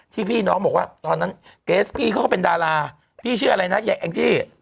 พี่น้องบอกว่าตอนนั้นเกสพี่เขาก็เป็นดาราพี่ชื่ออะไรนะแองจี้